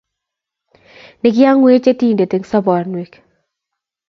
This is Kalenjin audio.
Ne king'ang 'wech Yetindet eng` sobonwekyok.